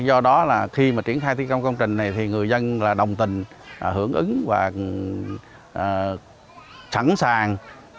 do đó khi triển khai công trình này người dân đồng tình hưởng ứng và sẵn sàng